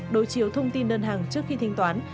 đối chiếu thông tin đơn hàng trước khi thanh toán